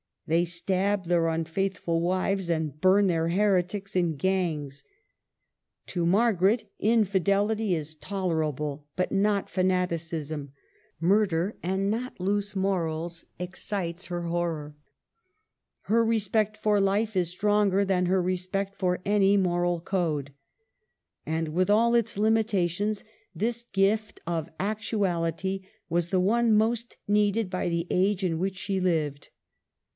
They stab their unfaithful wives and burn their heretics in gangs. To Margaret 250 MARGARET OF ANGOUL^ME. infidelity is tolerable, but not fanaticism ; murder, and not loose morals, excites her horror. Her respect for life is stronger than her respect for any moral code. And, with all its limitations, this gift of actu ality was the one most needed by the age in which she lived.